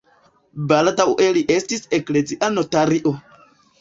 Baldaŭe li estis eklezia notario.